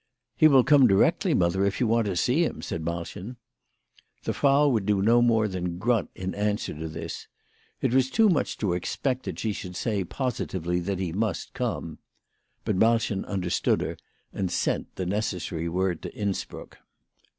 " He will come directly, mother, if you want to see him," said Malchen. The Frau would do no more than grunt in answer to this. It was too much to expect that she should say positively that he must come. But Malchen understood her, and sent the necessary word to Innsbruck.